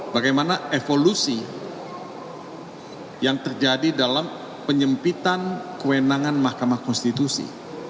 bagaimana evolusi yang terjadi dalam penyempitan kewenangan mahkamah konstitusi